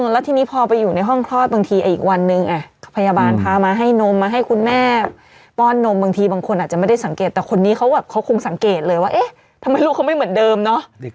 แล้วทีนี้พอไปอยู่ในห้องคลอดบางทีอีกวันนึงพยาบาลพามาให้นมมาให้คุณแม่ป้อนนมบางทีบางคนอาจจะไม่ได้สังเกตแต่คนนี้เขาแบบเขาคงสังเกตเลยว่าเอ๊ะทำไมลูกเขาไม่เหมือนเดิมเนอะ